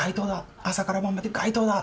朝から晩まで街頭だ！」